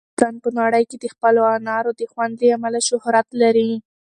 افغانستان په نړۍ کې د خپلو انارو د خوند له امله شهرت لري.